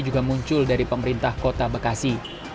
juga muncul dari pemerintah kota bekasi